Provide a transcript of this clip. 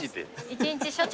一日署長。